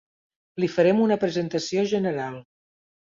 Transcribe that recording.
Li farem una presentació general.